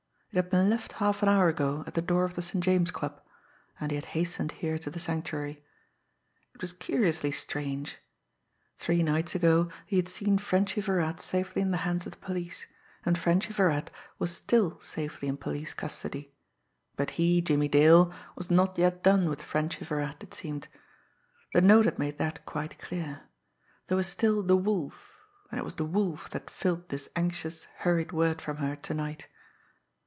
It had been left half an hour ago at the door of the St. James Club and he had hastened here to the Sanctuary. It was curiously strange! Three nights ago, he had seen Frenchy Virat safely in the hands of the police, and Frenchy Virat was still safely in police custody but he, Jimmie Dale, was not yet done with Frenchy Virat, it seemed! The note had made that quite clear. There was still the Wolf; and it was the Wolf that filled this anxious, hurried word from her to night.